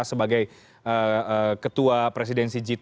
sebagai ketua presidensi g dua puluh